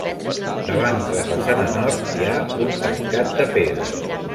Davant la façana nord hi ha un tancat de pedra.